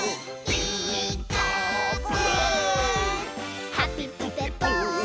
「ピーカーブ！」